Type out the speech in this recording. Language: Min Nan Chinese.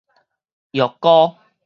藥膏